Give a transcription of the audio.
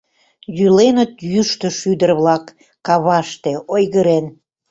Йӱленыт йӱштӧ шӱдыр-влак, каваште ойгырен.